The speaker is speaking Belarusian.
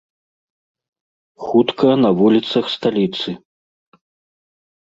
Хутка на вуліцах сталіцы.